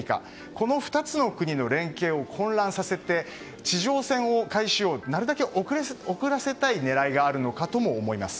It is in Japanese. この２つの国の連携を混乱させて地上戦の開始をなるべく遅らせたい狙いがあるのかとも思います。